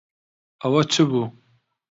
ئەوە چ بوو؟